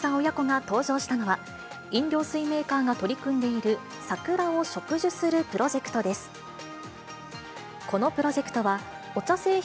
親子が登場したのは、飲料水メーカーが取り組んでいる桜を植樹するプロジェクトです。